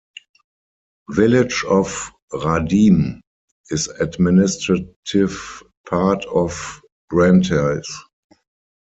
Village of Radim is administrative part of Brantice.